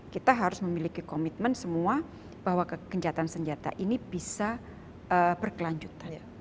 kita harus memiliki komitmen semua bahwa kencatan senjata ini bisa berkelanjutan